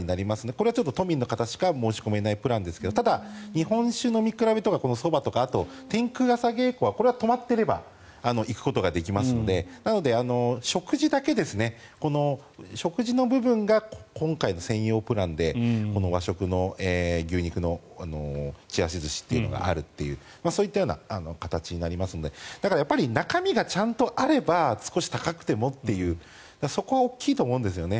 これは都民の方しか申し込めないプランですがただ日本酒飲み比べとかそばとか、あと天空朝稽古は泊まっていれば行くことができますのでなので食事だけこの食事の部分が今回専用プランで、この和食の牛肉のちらし寿司があるというそういったような形になりますのでだから、中身がちゃんとあれば少し高くてもというそこは大きいと思うんですよね。